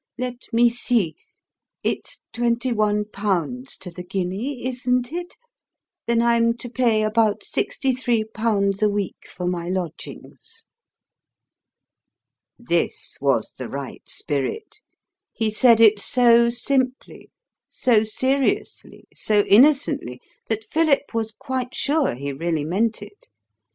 Let me see; it's twenty one pounds to the guinea, isn't it? Then I'm to pay about sixty three pounds a week for my lodgings." This was the right spirit. He said it so simply, so seriously, so innocently, that Philip was quite sure he really meant it.